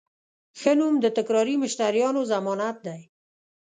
ښه نوم د تکراري مشتریانو ضمانت دی.